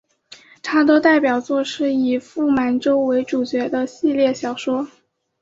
他的代表作是以傅满洲为主角的系列小说。